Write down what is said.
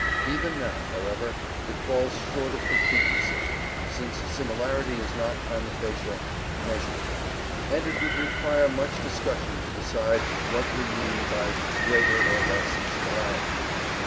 Even now, however, it falls short of complete precision, since similarity is not prima facie measurable, and it would require much discussion to decide what we mean by greater or less similarity.